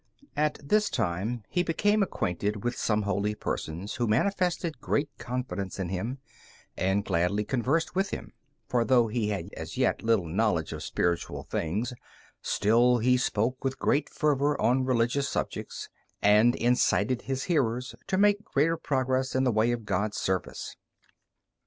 At this time he became acquainted with some holy persons who manifested great confidence in him, and gladly conversed with him; for though he had, as yet, little knowledge of spiritual things, still he spoke with great fervor on religious subjects, and incited his hearers to make greater progress in the way of God's service.